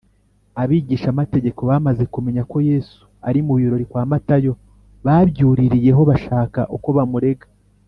abigishamategeko bamaze kumenya ko yesu ari mu birori kwa matayo, babyuririyeho bashaka uko bamurega